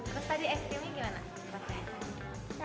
terus tadi es krimnya gimana rasanya